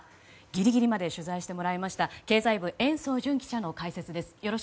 ギリギリまで取材をしてもらいました経済部、延増惇記者の解説です。